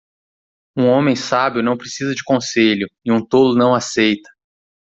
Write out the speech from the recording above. Um homem sábio não precisa de conselho, e um tolo não aceita.